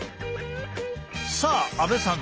さあ阿部さん